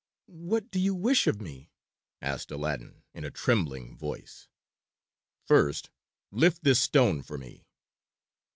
"What do you wish of me?" asked Aladdin in a trembling voice. "First lift this stone for me."